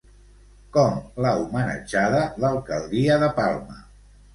Com l'ha homenatjada l'alcaldia de Palma?